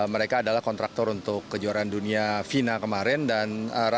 mereka adalah kontraktor untuk kejurnas renang